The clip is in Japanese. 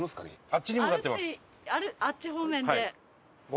あっち方面で？